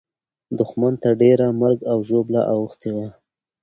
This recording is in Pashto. دښمن ته ډېره مرګ او ژوبله اوښتې وه.